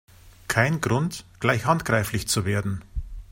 Kein Grund, gleich handgreiflich zu werden!